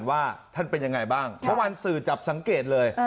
ว่าท่านเป็นยังไงบ้างเมื่อวานสื่อจับสังเกตเลย